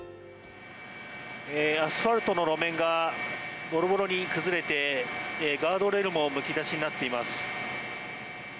アスファルトの路面がボロボロに崩れてガードレールもむき出しになっています。